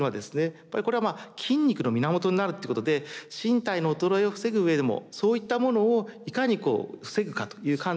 やっぱりこれはまあ筋肉の源になるってことで身体の衰えを防ぐ上でもそういったものをいかにこう防ぐかという観点からも大事ですし。